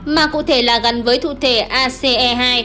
mà cụ thể là gắn với thu thể ace hai